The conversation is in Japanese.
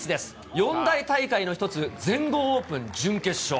四大大会の１つ、全豪オープン準決勝。